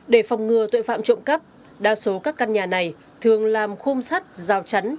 để phòng ngừa tội phạm trộm cắp đa số các căn nhà này thường làm khung sắt rào chắn